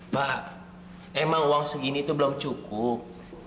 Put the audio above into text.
pak emang uang segini itu belum cukup